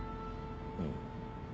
うん。